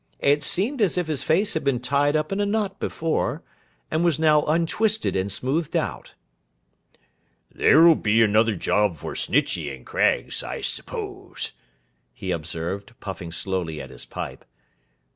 It seemed as if his face had been tied up in a knot before, and was now untwisted and smoothed out. 'There'll be another job for Snitchey and Craggs, I suppose,' he observed, puffing slowly at his pipe.